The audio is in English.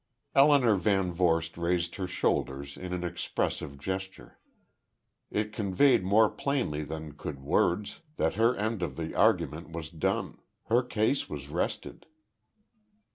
Elinor VanVorst raised her shoulders in an expressive gesture. It conveyed more plainly than could words that her end of the argument was done her case was rested.